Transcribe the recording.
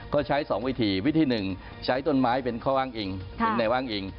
ก็ใช้๒วิธีวิธีหนึ่งใช้ต้นไม้เป็นข้ออ้างอิงแนวอ้างอิง